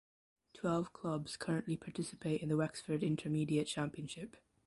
Twelve clubs currently participate in the Wexford Intermediate Championship.